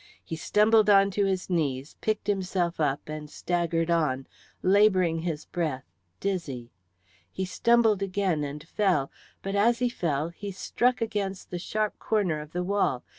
He stumbled onto his knees, picked himself up, and staggered on, labouring his breath, dizzy. He stumbled again and fell, but as he fell he struck against the sharp corner of the wall.